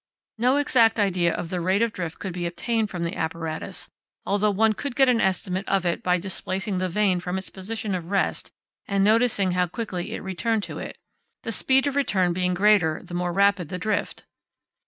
No exact idea of the rate of drift could be obtained from the apparatus, although one could get an estimate of it by displacing the vane from its position of rest and noticing how quickly it returned to it, the speed of return being greater the more rapid the drift.